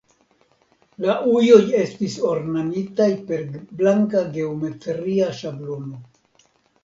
La ujoj estis ornamitaj per blanka geometria ŝablono.